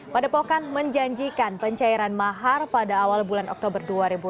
padepokan menjanjikan pencairan mahar pada awal bulan oktober dua ribu enam belas